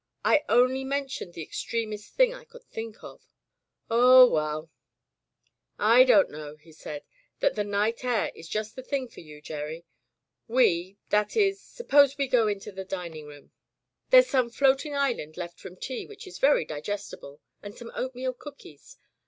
I only mentioned the extremest thing I could think of — oh, well " "I don't know," he said, "that the night air is just the thing for you, Gerry. We — that is — suppose we go into the dining Digitized by LjOOQ IC Interventions room? There's some floating island left from tea which is very digestible, and some oatmeal cookies.